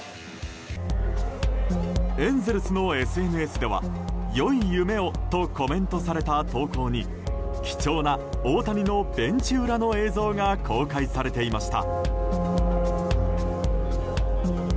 エンゼルスのＳＮＳでは「良い夢を」とコメントされた投稿に貴重な大谷のベンチ裏の映像が公開されていました。